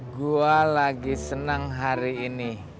gue lagi senang hari ini